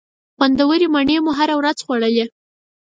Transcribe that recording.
خوندورې مڼې مو هره ورځ خوړلې.